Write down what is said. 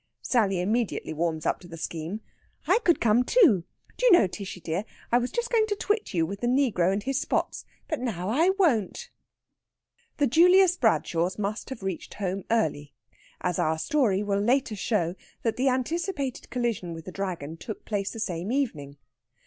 Sally immediately warms up to the scheme. "I could come, too. Do you know, Tishy dear, I was just going to twit you with the negro and his spots. But now I won't." The Julius Bradshaws must have reached home early, as our story will show later that the anticipated collision with the Dragon took place the same evening.